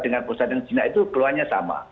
dengan perusahaan yang jinak itu keluhannya sama